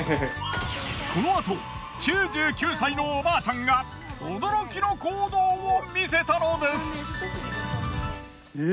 このあと９９歳のおばあちゃんが驚きの行動を見せたのです。